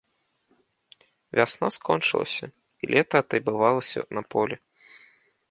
Вясна скончылася, і лета атайбавалася на полі.